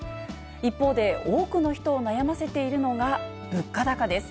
一方で、多くの人を悩ませているのが、物価高です。